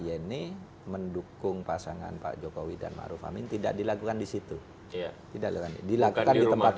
yeni mendukung pasangan pak jokowi dan ⁇ maruf ⁇ amin tidak dilakukan disitu tidak dilakukan di tempat